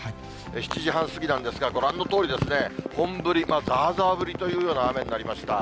７時半過ぎなんですが、ご覧のとおり、本降り、ざーざー降りというような雨になりました。